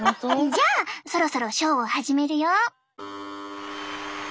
じゃあそろそろショーを始めるよ。